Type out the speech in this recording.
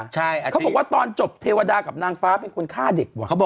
เขาบอกว่าตอนจบเทวดากับนางฟ้าเป็นคนฆ่าเด็กว่ะ